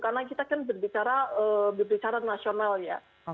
karena kita kan berbicara nasional ya